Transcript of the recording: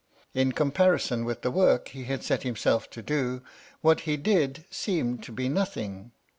In comparison with the work he had set himself to do, what he did seemed to be nothing.